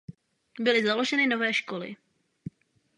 Byly založeny nové školy.